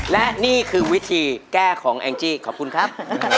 และนี่คือวิธีแก้ของแองจี้ขอบคุณครับ